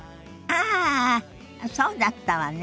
ああそうだったわね。